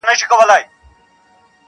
په بې صبری معشوقې چا میندلي دینه-